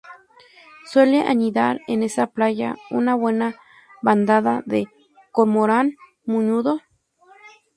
Suele anidar en esa playa una buena bandada de cormorán moñudo.